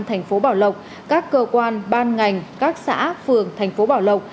thành phố bảo lộc các cơ quan ban ngành các xã phường thành phố bảo lộc